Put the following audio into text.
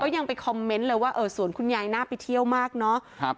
ยังไปคอมเมนต์เลยว่าเออสวนคุณยายน่าไปเที่ยวมากเนาะ